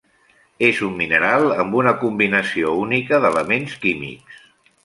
És un mineral amb una combinació única d’elements químics.